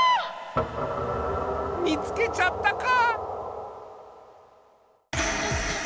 見つけちゃったか！